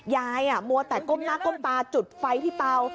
ยายอ่ะมัวแตะก้มหน้าก้มปลาจุดไฟที่เปล่า